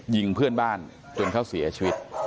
ยิงเพื่อนบ้านจนเขาเสียชีวิต